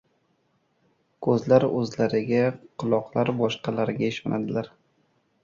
• Ko‘zlar o‘zlariga, quloqlar boshqalarga ishonadilar.